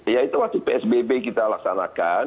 ya itu waktu psbb kita laksanakan